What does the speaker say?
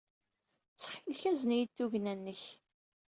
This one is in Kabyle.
Ttxil-k, azen-iyi-d tugna-nnek.